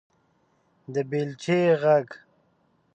_د بېلچې غږ